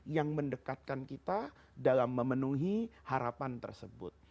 yang mendekatkan kita dalam memenuhi harapan tersebut